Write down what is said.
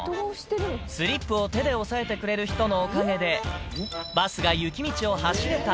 スリップを手で押さえてくれる人のおかげで、バスが雪道を走れた。